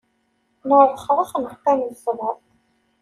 Nerrexrex neqqim nesber.